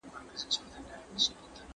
تاسو قیمت نلرئ.